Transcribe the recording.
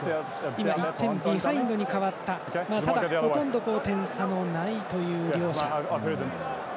今１点ビハインドに変わったただ、ほとんど点差もないという両者。